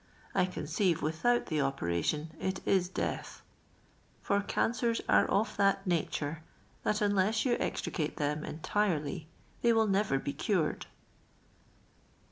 I o nceive without the operation it i* death ; for careers are «if that naliiie tl.at un]i'>s ymi extricate them entirely they wii! nevi r be cured."